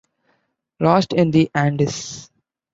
Lost in the Andes!